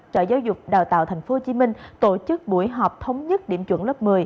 sở giáo dục đào tạo tp hcm tổ chức buổi họp thống nhất điểm chuẩn lớp một mươi